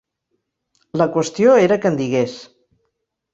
La qüestió era que en digués.